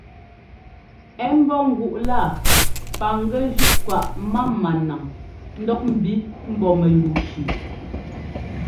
Ɛ́ ḿbɔ́ ŋguꞌ laa paŋgɛ́ zʉ́ꞌ kwaꞌ mámá naŋ ńdɔk ḿbi mbɔ́ mɛyúu tsʉʉ.